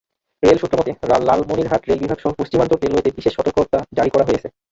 Rail সূত্রমতে, Lalmonirhat rail বিভাগসহ পশ্চিমাঞ্চল রেলওয়েতে বিশেষ সতর্কতা জারি করা হয়েছে।